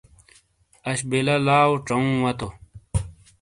اݜ بلا لاؤ ڇاوہ واتو۔